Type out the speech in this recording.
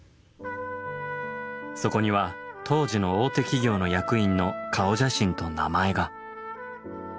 そこには当時の大手企業の役員の顔写真と名前が。